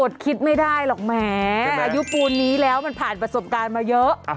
คิดไม่ได้หรอกแหมอายุปูนนี้แล้วมันผ่านประสบการณ์มาเยอะ